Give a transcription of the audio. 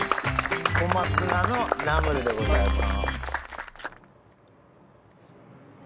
小松菜のナムルでございます。